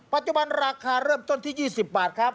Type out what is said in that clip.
ปัจจุบันราคาเริ่มต้นที่๒๐บาทครับ